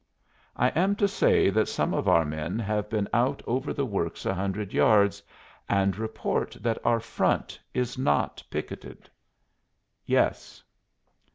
"I am to say that some of our men have been out over the works a hundred yards and report that our front is not picketed." "Yes."